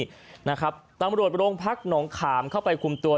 นะครับตำรวจโรงพักหนองขามเข้าไปคุมตัว